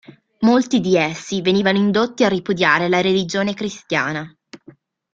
Molti di essi venivano indotti a ripudiare la religione cristiana.